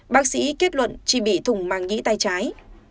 bác sĩ kết luận chị bị thủng màng nhí tay trái